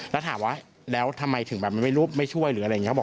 แล้วถามว่าแล้วทำไมถึงแบบมันไม่รูปไม่ช่วยหรืออะไรอย่างนี้